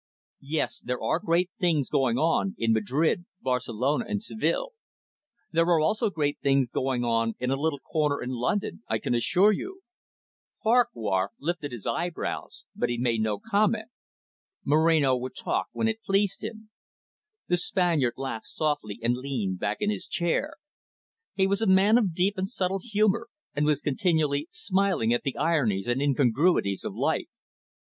Yes, there are great things going on, in Madrid, Barcelona and Seville. There are also great things going on in a little corner in London, I can assure you." Farquhar lifted his eyebrows, but he made no comment. Moreno would talk when it pleased him. The Spaniard laughed softly, and leaned back in his chair. He was a man of deep and subtle humour, and was continually smiling at the ironies and incongruities of life.